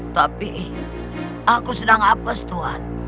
tapi aku sedang apes tuhan